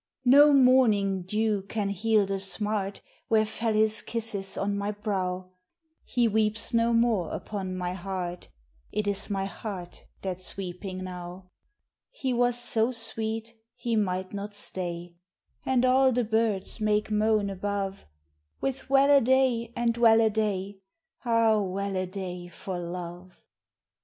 No morning dew can heal the smart Where fell his kisses on my brow ; He weeps no more upon my heart It is my heart that's weeping now. 50 THE SONG OF THE GLAD WOMAN He was so sweet he might not stay, And all the birds make moan above With well a day and well a day, Ah ! well a day for love.